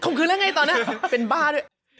คืนแล้วไงตอนนั้นเป็นบ้าด้วย